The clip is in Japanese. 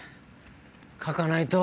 書かないと。